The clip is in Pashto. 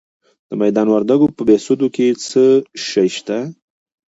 د میدان وردګو په بهسودو کې څه شی شته؟